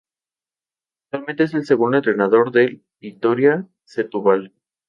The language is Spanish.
Actualmente es el segundo entrenador del Vitória Setúbal.